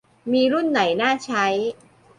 มีรุ่นไหนน่าใช้